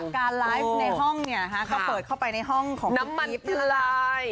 การไลฟ์ก็เคยเคลือดเข้าไปในห้องของพี่กิ้น